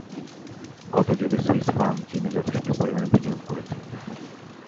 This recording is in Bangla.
গত যুগে সুইস ফার্ম চীনে যথেষ্ট পরিমাণে বিনিয়োগ করেছে।